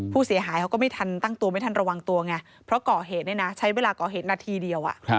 ผู้เสียหายเขาก็ไม่ทันตั้งตัวไม่ทันระวังตัวไงเพราะก่อเหตุเนี่ยนะใช้เวลาก่อเหตุนาทีเดียว